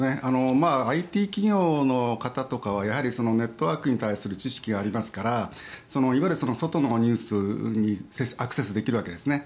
ＩＴ企業の方とかはやはりネットワークに対する知識がありますからいわゆる外のニュースにアクセスできるわけですね。